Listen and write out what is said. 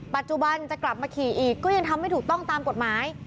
ปัจจุบันจะกลับมาขี่อีกก็ยังทำไม่ถูกต้องตามกฎหมาย